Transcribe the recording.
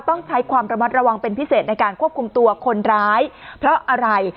ต้องใช้ความระมัดระวังเป็นพิเศษในการควบคุมตัวคนร้ายเพราะอะไร